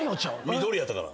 緑やったかな。